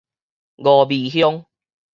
峨眉鄉